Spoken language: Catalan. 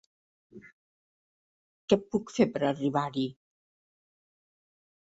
Què puc fer per arribar-hi?